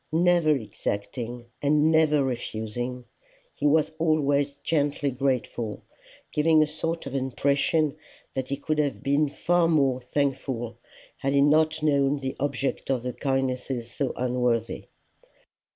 Never exacting and never refusing, he was always gently grateful, giving a sort of impression that he could have been far more thankful had he not known the object of the kindnesses so unworthy.